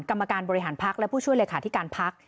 กรรมการบริหารพักและผู้ช่วยเลขาธิการพัก